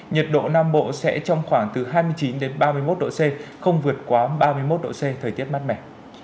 nhiệt độ nam bộ sẽ trong khoảng từ hai mươi chín ba mươi một độ c không vượt quá ba mươi một độ c thời tiết mát mẻ